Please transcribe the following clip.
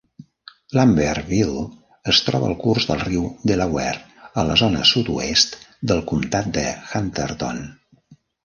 Lambertville es troba al curs del riu Delaware, a la zona sud-oest del comtat de Hunterdon.